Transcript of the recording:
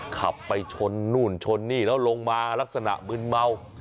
ขับไปชนนู่นชนนี่แล้วลงมาลักษณะมึนเมา